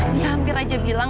dia hampir aja bilang